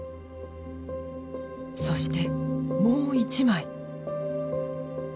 そしてもう一枚。